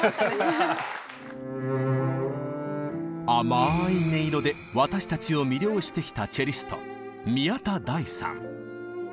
甘い音色で私たちを魅了してきたチェリスト